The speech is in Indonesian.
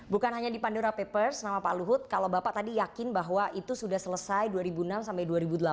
bukan hanya di pandora papers nama pak luhut kalau bapak tadi yakin bahwa itu sudah selesai dua ribu enam sampai dua ribu delapan